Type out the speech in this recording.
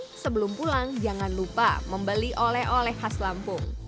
nah sebelum pulang jangan lupa membeli oleh oleh khas lampung